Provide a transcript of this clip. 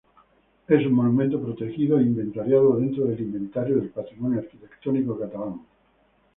Es un monumento protegido e inventariado dentro del Inventario del Patrimonio Arquitectónico Catalán.